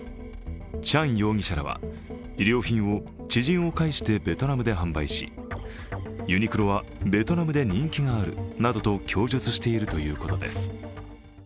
チャン容疑者らは衣料品を知人を介してベトナムで販売しユニクロはベトナムで人気があるなどと供述しているということです。